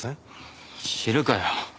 知るかよ。